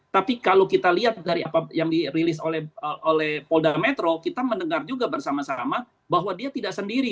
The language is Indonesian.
tapi kalau kita lihat dari apa yang dirilis oleh polda metro kita mendengar juga bersama sama bahwa dia tidak sendiri